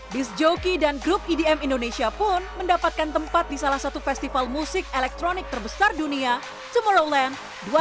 dis joki dan grup edm indonesia pun mendapatkan tempat di salah satu festival musik elektronik terbesar dunia tomorrowland dua ribu dua puluh